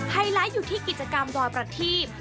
ไลท์อยู่ที่กิจกรรมดอยประทีบ